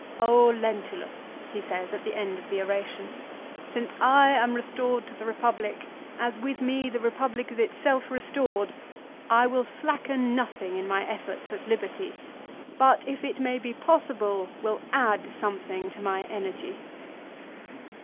" Lentulus," he says at the end of the oration, "since I am restored to the Eepublic as with me the Eepublic is itself restored, I will slacken nothing in my efforts at liberty ; but if it may be possible, will add something to my energy."